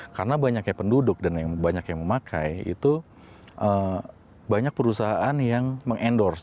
karena banyaknya penduduk dan yang banyak yang memakai itu banyak perusahaan yang mengendorse